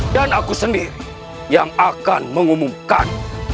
dan aku sendiri yang akan mengumumkan